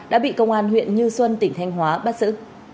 đã bị công an huyện như xuân tỉnh thanh hóa bắt giữ